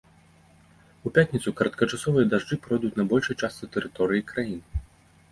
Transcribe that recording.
У пятніцу кароткачасовыя дажджы пройдуць на большай частцы тэрыторыі краіны.